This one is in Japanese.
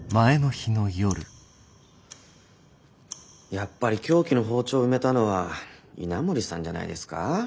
やっぱり凶器の包丁を埋めたのは稲森さんじゃないですか？